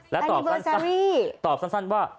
แล้วตอบสั้นว่า